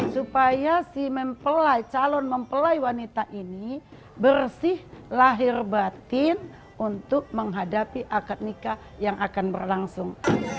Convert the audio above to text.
supaya si calon mempelai wanita ini bersih lahir batin untuk menghadapi akad nikah yang akan berlangsung